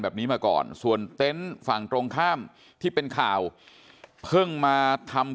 แบบนี้มาก่อนส่วนเต็นต์ฝั่งตรงข้ามที่เป็นข่าวเพิ่งมาทำ